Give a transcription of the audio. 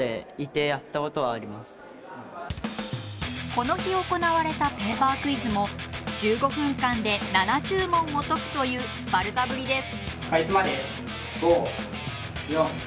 この日行われたペーパークイズも１５分間で７０問を解くというスパルタぶりです。